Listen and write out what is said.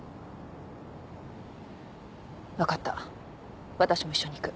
分かった私も一緒に行く。